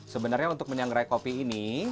sebenarnya untuk menyangrai kopi ini